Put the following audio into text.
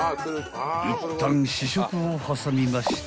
［いったん試食を挟みまして］